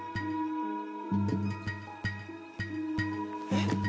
えっ？